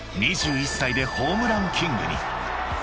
［２１歳でホームランキングに］